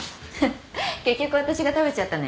結局私が食べちゃったね。